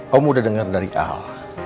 om udah denger dari al